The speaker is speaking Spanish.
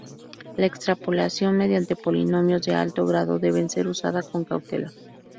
La extrapolación mediante polinomios de alto grado debe ser usada con cautela.